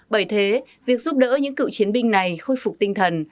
bởi thế việc giúp đỡ những cựu chiến binh này khôi phục tinh thần